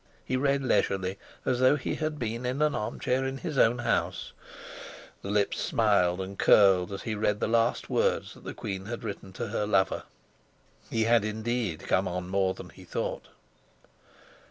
He read leisurely, as though he had been in an armchair in his own house; the lips smiled and curled as he read the last words that the queen had written to her lover. He had indeed come on more than he thought.